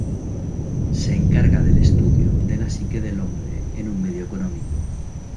Se encarga del estudio de la psique del hombre en un medio económico.